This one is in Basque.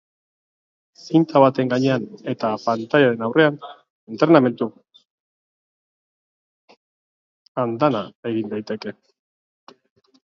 Zinta baten gainean eta pantailaren aurrean, entrenamendu andana egin daiteke.